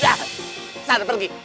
udah sana pergi